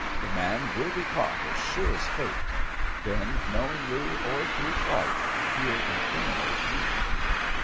The man will be caught as sure as fate; then knowingly or through fright he'll incriminate you."